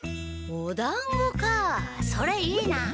おだんごかそれいいな！